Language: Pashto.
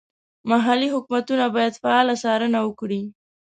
محلي حکومتونه باید فعاله څارنه وکړي.